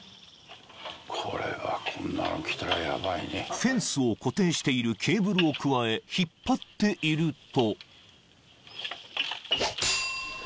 ［フェンスを固定しているケーブルをくわえ引っ張っていると］